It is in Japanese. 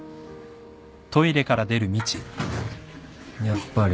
やっぱり。